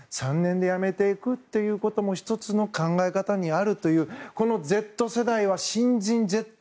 ３年で辞めていくということも１つの考え方にあるというこのＺ世代、大下さん